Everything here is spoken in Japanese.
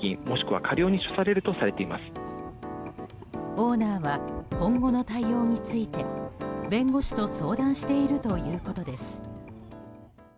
オーナーは今後の対応について弁護士と相談しているということです。